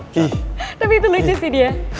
tapi itu leges sih dia